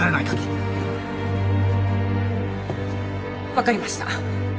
分かりました。